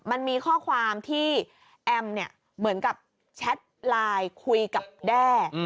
มันมีข้อความที่แอมเนี่ยเหมือนกับแชทไลน์คุยกับแด้